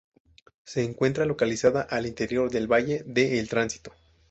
Se encuentra localizada al interior del Valle de El Tránsito.